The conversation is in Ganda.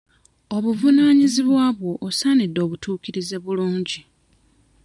Obuvunaanyizibwa bwo osaanidde obutuukirize bulungi.